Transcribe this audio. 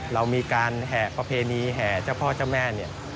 เรามีการแห่ประเพณีแห่เจ้าพ่อเจ้าแม่เนี่ย